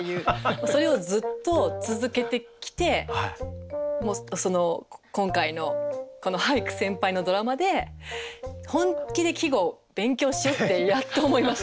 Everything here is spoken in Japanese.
それをずっと続けてきて今回のこの「俳句先輩」のドラマで本気で季語を勉強しようってやっと思いました。